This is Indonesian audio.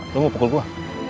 lo mau pukul gua